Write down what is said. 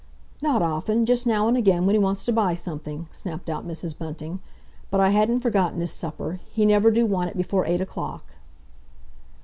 "Not often—just now and again, when he wants to buy something," snapped out Mrs. Bunting. "But I hadn't forgot his supper. He never do want it before eight o'clock."